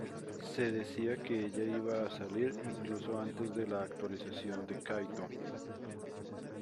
Se decía que ella iba a salir incluso antes de la actualización de Kaito.